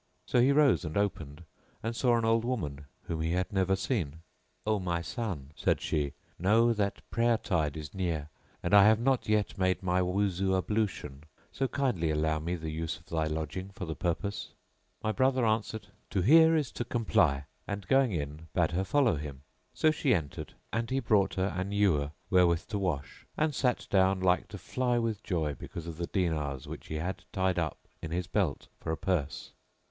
So he rose and opened and saw an old woman whom he had never seen. "O my son," said she, "know that prayer tide is near and I have not yet made my Wuzu ablution;[FN#670] so kindly allow me the use of thy lodging for the purpose." My brother answered, "To hear is to comply;" and going in bade her follow him. So she entered and he brought her an ewer wherewith to wash, and sat down like to fly with joy because of the dinars which he had tied up in his belt for a purse.